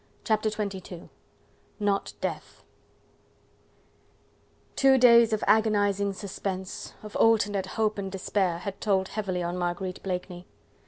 Chapter XXII: Not Death Two days of agonizing suspense, of alternate hope and despair, had told heavily on Marguerite Blakeney.